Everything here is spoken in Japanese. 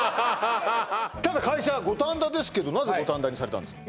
ただ会社は五反田ですけどなぜ五反田にされたんですか？